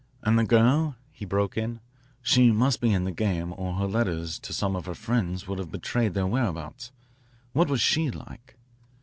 "And the girl?" he broke in. "She must be in the game or her letters to some of her friends would have betrayed their whereabouts. What was she like?"